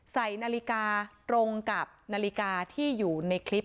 ใส่นาฬิกาตรงกับนาฬิกาที่อยู่ในคลิป